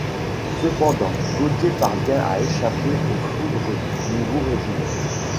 Cependant Gauthier parvient à échapper aux foudres du nouveau régime.